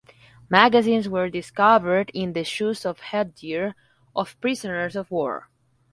Magazines were discovered in the shoes or headgear of prisoners of war.